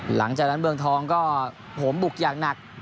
หลังจากนั้นเมืองทองก็โหมบุกอย่างหนัก